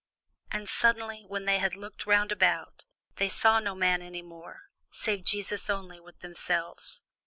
And suddenly, when they had looked round about, they saw no man any more, save Jesus only with themselves.